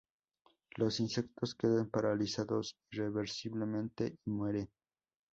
Los insectos quedan paralizados irreversiblemente y mueren.